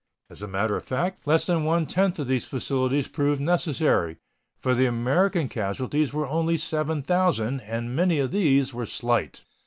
As a matter of fact, less than one tenth of these facilities proved necessary, for the American casualties were only 7,000, and many of these were slight.